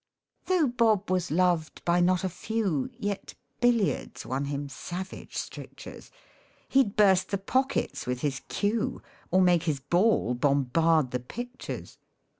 Though Bob was loved by not a few, Yet billiards won him savage strictures ; He'd burst the pockets with his cue, Or make his ball bombard the pictures.